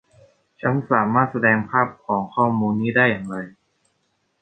ฉันสามารถแสดงภาพของข้อมูลนี้ได้อย่างไร